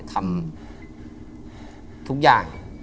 ทำทุกอย่าง